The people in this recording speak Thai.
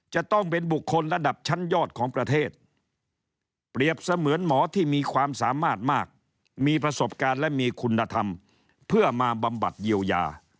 จะต้องเป็นบุคคลระดับชั้นยอดของประเทศเปรียบเสมือนหมอที่มีความสามารถมากมีประสบการณ์และมีคุณธรรมเพื่อมาบำบัดเยียวยา